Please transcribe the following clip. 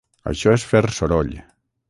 Això és fer soroll.